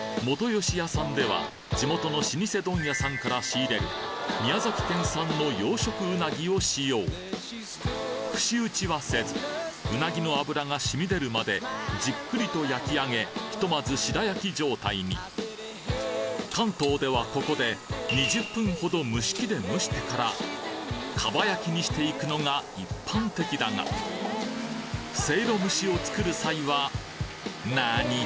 吉屋さんでは地元の老舗問屋さんから仕入れる宮崎県産の養殖うなぎを使用串うちはせずうなぎの脂が染み出るまでじっくりと焼き上げひとまず白焼き状態に関東ではここで２０分ほど蒸し器で蒸してから蒲焼きにしていくのが一般的だがせいろ蒸しを作る際はなに？